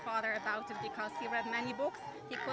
karena dia membaca banyak buku